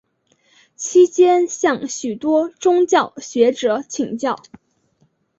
期间向许多宗教学者请教。